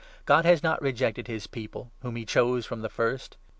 God has not rejected his People, whom he chose from the 2 first.